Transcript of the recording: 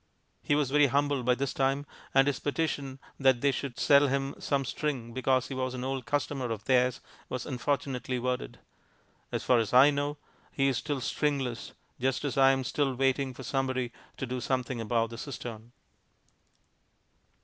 He was very humble by this time, and his petition that they should sell him some string because he was an old customer of theirs was unfortunately worded. As far as I know he is still stringless, just as I am still waiting for somebody to do something about the cistern.